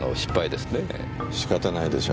仕方ないでしょ。